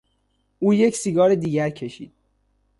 او یک سیگار دیگر کشید.